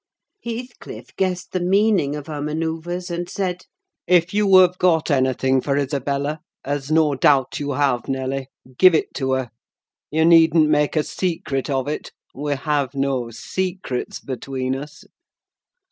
Heathcliff guessed the meaning of her manœuvres, and said—"If you have got anything for Isabella (as no doubt you have, Nelly), give it to her. You needn't make a secret of it: we have no secrets between us."